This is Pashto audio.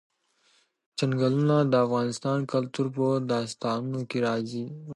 چنګلونه د افغان کلتور په داستانونو کې راځي.